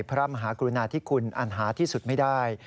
พระมหากรุณาธิคุณอันหาที่สุดไม่ได้